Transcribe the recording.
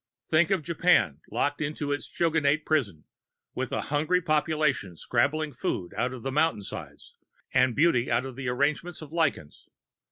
Think of Japan, locked into its Shogunate prison, with a hungry population scrabbling food out of mountainsides and beauty out of arrangements of lichens.